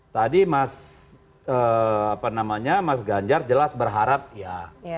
tadi mas apa namanya mas ganjar jelas berharap ya